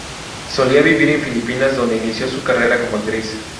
Solía vivir en Filipinas, donde inició su carrera como actriz.